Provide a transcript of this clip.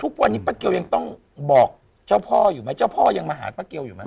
ทุกวันนี้ป้าเกลยังต้องบอกเจ้าพ่ออยู่ไหมเจ้าพ่อยังมาหาป้าเกลอยู่ไหม